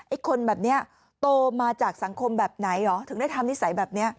คนแบบนี้โตมาจากสังคมแบบไหนเหรอถึงได้ทำนิสัยแบบนี้